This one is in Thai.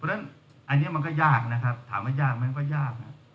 เพราะฉะนั้นอันนี้มันก็ยากนะครับถามว่ายากไหมมันก็ยากนะ